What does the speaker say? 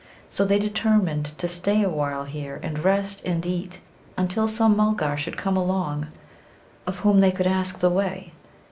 So they determined to stay awhile here and rest and eat until some Mulgar should come along of whom they could ask the way.